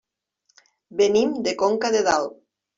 Venim de Conca de Dalt.